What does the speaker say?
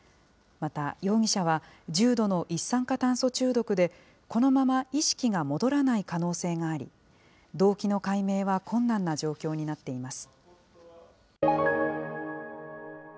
また容疑者は、重度の一酸化炭素中毒で、このまま意識が戻らない可能性があり、動機の解明は困難な状況になっています。